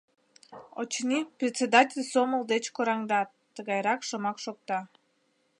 Очыни, председатель сомыл деч кораҥдат — тыгайрак шомак шокта.